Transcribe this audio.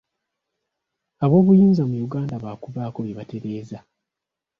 Aboobuyinza mu Uganda baakubaako bye batereeza.